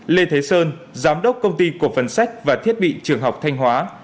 lê thế sơn giám đốc công ty cổ phần sách và thiết bị trường học thanh hóa